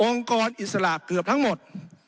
กรอิสระเกือบทั้งหมด